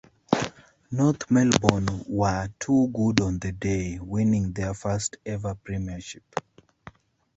North Melbourne were too good on the day, winning their first-ever Premiership.